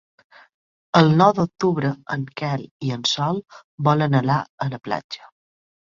El nou d'octubre en Quel i en Sol volen anar a la platja.